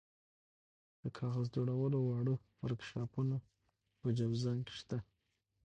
د کاغذ جوړولو واړه ورکشاپونه په جوزجان کې شته.